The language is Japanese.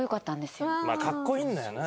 まあかっこいいんだよな。